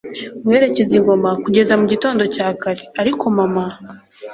guherekeza ingoma, kugeza mugitondo cya kare. ariko mama